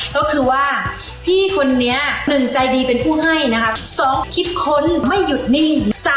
ก็คือว่าพี่คนนี้๑ใจดีเป็นผู้ให้๒คิดคนไม่หยุดนิง